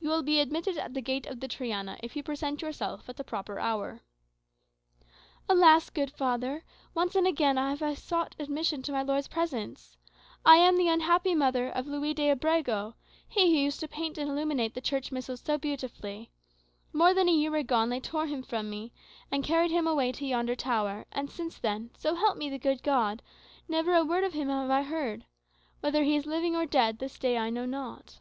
You will be admitted at the gate of the Triana, if you present yourself at a proper hour." "Alas! good father, once and again have I sought admission to my lord's presence. I am the unhappy mother of Luis D'Abrego, he who used to paint and illuminate the church missals so beautifully. More than a year agone they tore him from me, and carried him away to yonder tower, and since then, so help me the good God, never a word of him have I heard. Whether he is living or dead, this day I know not."